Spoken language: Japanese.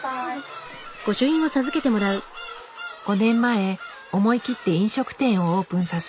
５年前思い切って飲食店をオープンさせ